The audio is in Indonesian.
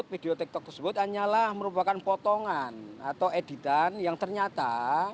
video tiktok tersebut hanyalah merupakan potongan atau editan yang ternyata